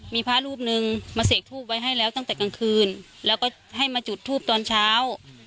มีพระรูปนึงมาเสกทูบไว้ให้แล้วตั้งแต่กลางคืนแล้วก็ให้มาจุดทูปตอนเช้า